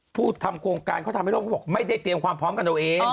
ทำโครงการเขาทำให้โลกเขาบอกไม่ได้เตรียมความพร้อมกันเอาเอง